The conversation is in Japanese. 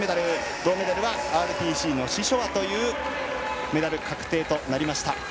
銅メダルはＲＰＣのシショワというメダル確定となりました。